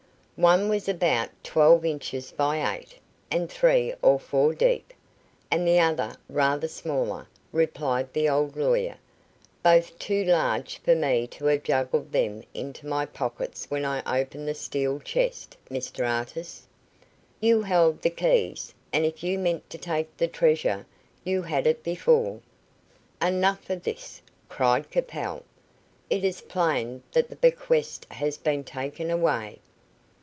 "One was about twelve inches by eight, and three or four deep, and the other rather smaller," replied the old lawyer; "both too large for me to have juggled them into my pockets when I opened the steel chest, Mr Artis." "You held the keys, and if you meant to take the treasure, you had it before." "Enough of this," cried Capel. "It is plain that the bequest has been taken away.